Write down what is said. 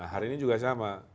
hari ini juga sama